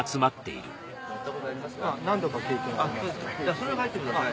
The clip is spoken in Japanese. それを書いてください。